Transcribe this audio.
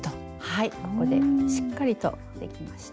はいここでしっかりとできました。